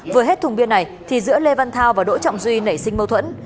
vừa hết thùng bia này thì giữa lê văn thao và đỗ trọng duy nảy sinh mâu thuẫn